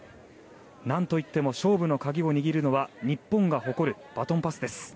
何といっても勝負の鍵を握るのは日本が誇るバトンパスです。